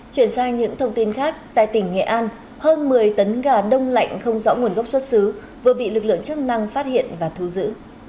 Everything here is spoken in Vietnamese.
chuyển sang những thông tin khác tại tỉnh nghệ an hơn một mươi tấn gà đông lạnh không rõ nguồn gốc xuất xứ vừa bị lực lượng chức năng phát hiện và thu giữ